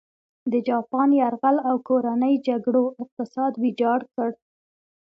د جاپان یرغل او کورنۍ جګړو اقتصاد ویجاړ کړ.